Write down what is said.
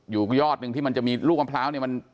อยู่ยอดหนึ่งที่มันจะมีลูกมะพร้าวเนี่ย